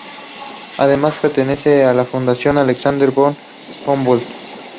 Además pertenece a la Fundación Alexander von Humboldt.